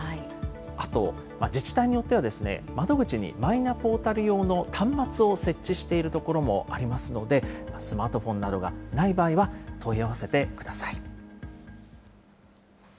あと、自治体によっては、窓口にマイナポータル用の端末を設置している所もありますので、スマートフォンなどがない場合は問い合わせてください。